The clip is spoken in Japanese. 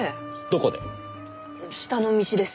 どこで？